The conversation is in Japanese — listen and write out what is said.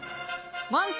満点！